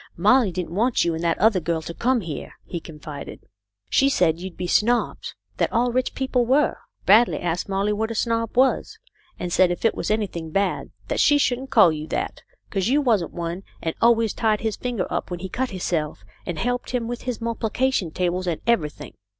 "Molly didn't want you and that other girl to 42 THE LITTLE COLONEL 'S HOLIDA VS. come here," he confided. " She said you'd be snobs ; that all rich people were. Bradley asked Molly what a snob was, and said if it was anything bad that she shouldn't call you that, 'cause you wasn't one, and always tied his fingers up when he cut hisself, and helped him with his mul'plication tables and every thing.